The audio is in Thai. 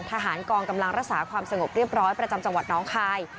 ทหารกองกำลังรักษาความสงบเรียบร้อยประจำจังหวัดน้องคาย